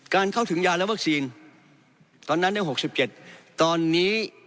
การเข้าถึงยาและวัคซีนตอนนั้นได้หกสิบเจ็ดตอนนี้